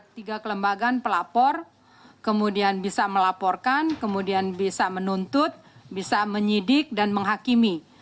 tiga kelembagaan pelapor kemudian bisa melaporkan kemudian bisa menuntut bisa menyidik dan menghakimi